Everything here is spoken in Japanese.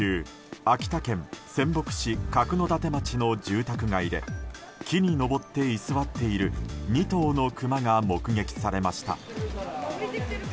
秋田県仙北市角館町の住宅街で木に登って居座っている２頭のクマが目撃されました。